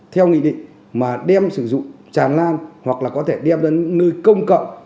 theo nghị định mà đem sử dụng tràn lan hoặc là có thể đem đến những nơi công cộng